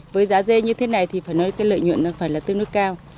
với giá dê như thế này thì lợi nhuận phải tương đối cao